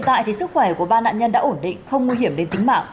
tại sức khỏe của ba nạn nhân đã ổn định không nguy hiểm